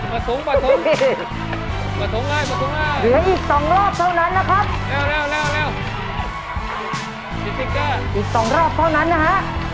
ปะถุงปะถุงปะถุงเลยปะถุงอีกสองรอบเท่านั้นนะครับ